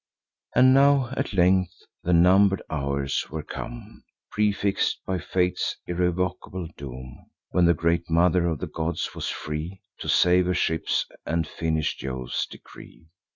And now at length the number'd hours were come, Prefix'd by fate's irrevocable doom, When the great Mother of the Gods was free To save her ships, and finish Jove's decree.